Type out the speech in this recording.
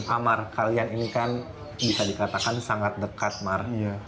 amar kalian ini kan bisa dikatakan sangat dekat marnya